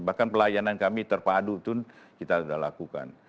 bahkan pelayanan kami terpadu itu kita sudah lakukan